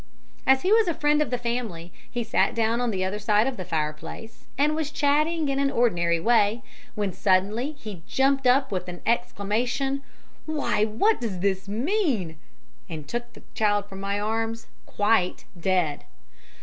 As he was a friend of the family, he sat down on the other side of the fireplace and was chatting in an ordinary way, when he suddenly jumped up with an exclamation, 'Why, what does this mean?' and took the child from my arms quite dead!